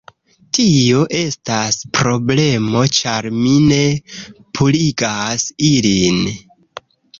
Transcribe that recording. Tio estas problemo ĉar mi ne purigas ilin